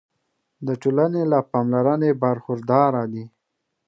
د ټولنې له پاملرنې برخورداره دي.